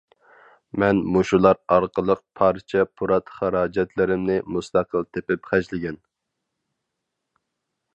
مەن مۇشۇلار ئارقىلىق پارچە-پۇرات خىراجەتلىرىمنى مۇستەقىل تېپىپ خەجلىگەن.